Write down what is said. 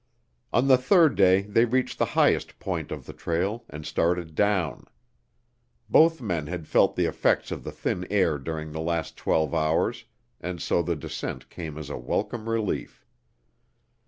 On the third day they reached the highest point of the trail and started down. Both men had felt the effects of the thin air during the last twelve hours and so the descent came as a welcome relief.